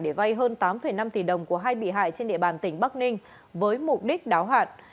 để vay hơn tám năm tỷ đồng của hai bị hại trên địa bàn tỉnh bắc ninh với mục đích đáo hạn